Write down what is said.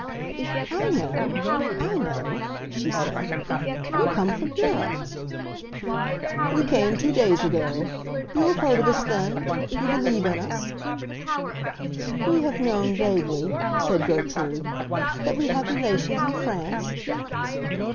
"I know—I know," she said. "You come from Europe." "We came two days ago. You have heard of us, then—you believe in us?" "We have known, vaguely," said Gertrude, "that we had relations in France."